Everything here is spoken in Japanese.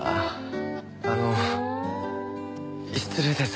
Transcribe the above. あの失礼ですが。